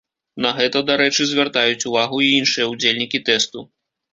На гэта, дарэчы, звяртаюць увагу і іншыя ўдзельнікі тэсту.